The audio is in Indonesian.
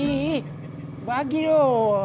ihh bahagi doh